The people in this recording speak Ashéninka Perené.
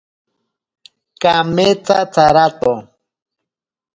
Kametsa tsarato.